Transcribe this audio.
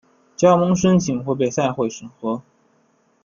加盟申请会被赛会审核。